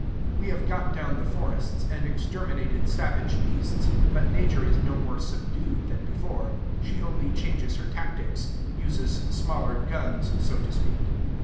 We have got down the forests, and exterminated savage beasts; but Nature is no more subdued than before: she only changes her tactics, uses smaller guns, so to speak.